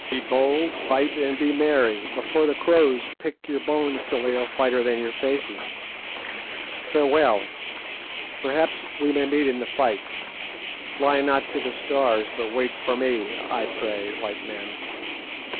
Be bold, fight, and be merry, before the crows pick your bones till they are whiter than your faces. Farewell; perhaps we may meet in the fight; fly not to the Stars, but wait for me, I pray, white men."